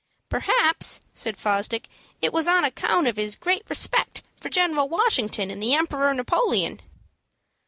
"Perhaps," said Fosdick, "it was on account of his great respect for General Washington and the Emperor Napoleon."